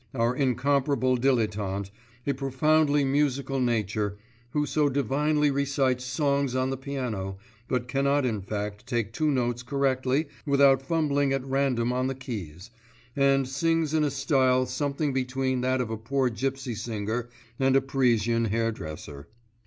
our incomparable dilettante, a profoundly musical nature, who so divinely recites songs on the piano, but cannot in fact take two notes correctly without fumbling at random on the keys, and sings in a style something between that of a poor gypsy singer and a Parisian hairdresser.